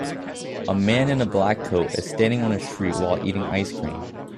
A man in a black coat is standing on a street while eating ice cream